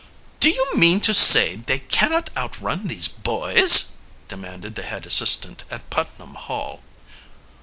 "Do you mean to say they cannot outrun these boys?" demanded the head assistant at Putnam Hall.